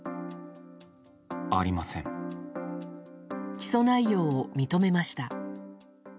起訴内容を認めました。